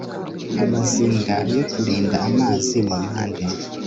amazinga yo kurinda amazi mu mpande